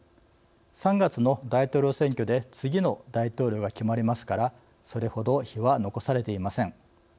３月の大統領選挙で次の大統領が決まりますからそれほど日は残されていません。